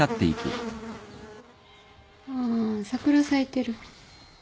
ああ桜咲いてる。